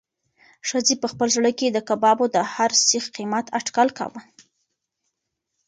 ښځې په خپل زړه کې د کبابو د هر سیخ قیمت اټکل کاوه.